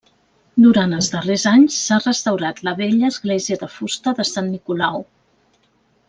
Durant els darrers anys, s'ha restaurat la vella església de fusta de Sant Nicolau.